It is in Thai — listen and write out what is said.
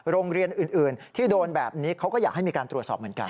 โรงเรียนอื่นที่โดนแบบนี้เขาก็อยากให้มีการตรวจสอบเหมือนกัน